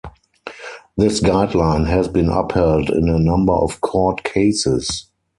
This guideline has been upheld in a number of court cases.